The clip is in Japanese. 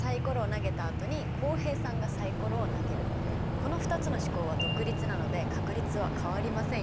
この２つの試行は「独立」なので確率は変わりませんよ。